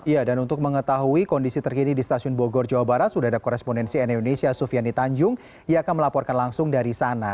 ya dan untuk mengetahui kondisi terkini di stasiun bogor jawa barat sudah ada korespondensi n indonesia sufiani tanjung yang akan melaporkan langsung dari sana